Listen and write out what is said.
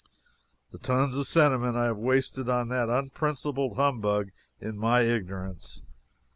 The tons of sentiment I have wasted on that unprincipled humbug in my ignorance!